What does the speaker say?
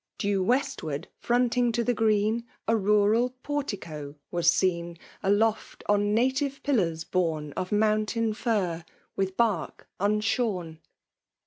Due westward, fronting to the green, A runi portico wn seen. Aloft on native pillars borne Of mountain fir with bark unshorn."